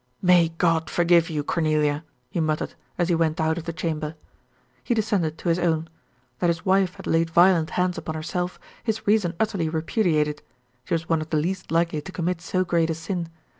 "May God forgive you, Cornelia!" he muttered, as he went out of the chamber. He descended to his own. That his wife had laid violent hands upon herself, his reason utterly repudiated, she was one of the least likely to commit so great a sin.